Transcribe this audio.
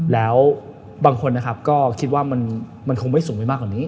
แล้วบางคนนะครับก็คิดว่ามันคงไม่สูงไปมากกว่านี้